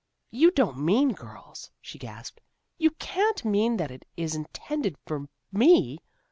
" You don't mean, girls," she gasped, " you can't mean that it is intended for me.